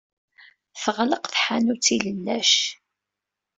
Teɣleq tḥanut n yilellac.